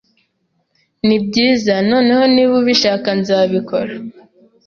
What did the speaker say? Nibyiza, noneho, niba ubishaka nzabikora.